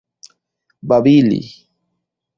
babili